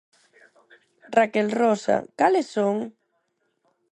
Raquel Rosa, cales son?